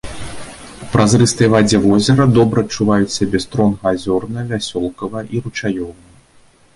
У празрыстай вадзе возера добра адчуваюць сябе стронга азёрная, вясёлкавая і ручаёвая.